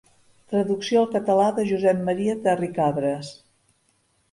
Traducció al català de Josep Maria Terricabras.